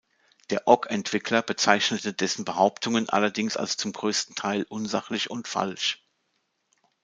Der Ogg-Entwickler bezeichnete dessen Behauptungen allerdings als zum größten Teil unsachlich und falsch.